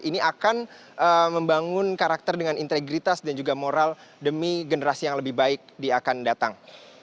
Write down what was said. ini akan membangun karakter dengan integritas dan juga moral demi generasi yang lebih baik di akan datang